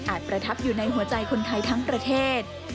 ประทับอยู่ในหัวใจคนไทยทั้งประเทศ